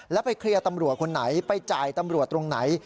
แล้วไปเคลียร์ตำรวจคนไหนไปจ่ายตำรวจตรงไหน